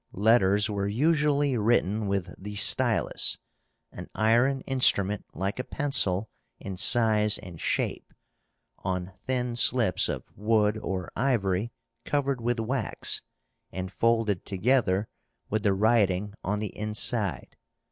Letters were usually written with the stylus, an iron instrument like a pencil in size and shape, on thin slips of wood or ivory covered with wax, and folded together with the writing on the inside.